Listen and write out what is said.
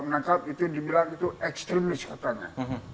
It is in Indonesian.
menangkap itu dibilang itu ekstremis katanya